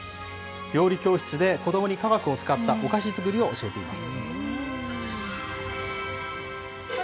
料理教室で子どもに科学を使ったお菓子作りを教えています。